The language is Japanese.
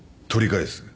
取り返す？